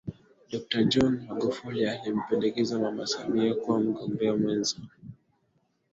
Dokta John Magufuli alimpendekeza Mama Samia kuwa mgombea mwenza